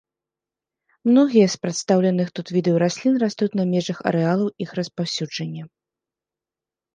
Многія з прадстаўленых тут відаў раслін растуць на межах арэалаў іх распаўсюджання.